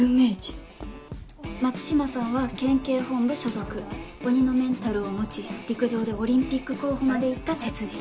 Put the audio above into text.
松島さんは県警本部所属鬼のメンタルを持ち陸上でオリンピック候補まで行った鉄人。